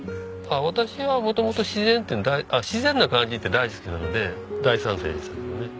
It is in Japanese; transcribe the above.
私は元々自然っていうのは自然な感じって大好きなので大賛成でしたけどね。